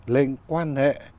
lên quan hệ